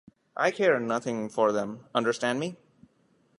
I care nothing for them — understand me?